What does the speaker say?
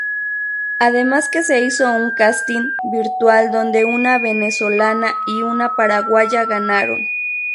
Además que se hizo un casting virtual donde una Venezolana y una Paraguaya ganaron.